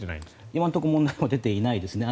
今のところ問題は出ていないですね。